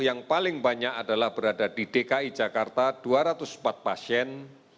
yang paling banyak adalah berada di dki jakarta dua ratus empat pasien